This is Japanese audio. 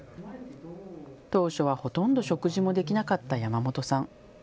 当初は、ほとんど食事もできなかった山本さん。